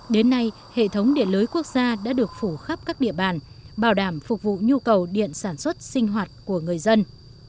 đến nay hệ thống điện lưới quốc gia đã được phủ khắp các địa bàn bảo đảm phục vụ nhu cầu điện sản xuất sinh hoạt của người dân